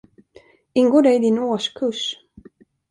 Ingår det i din årskurs?